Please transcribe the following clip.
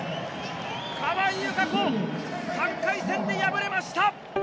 川井友香子、３回戦で敗れました！